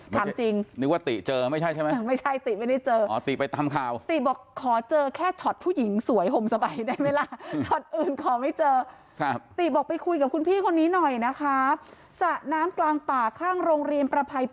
ถามจริงนึกว่าติเจอไม่ใช่ใช่ไหม